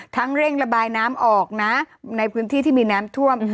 เร่งระบายน้ำออกนะในพื้นที่ที่มีน้ำท่วม